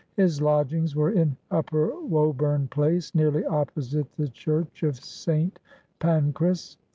His lodgings were in Upper Woburn Place, nearly opposite the church of St. Pancras.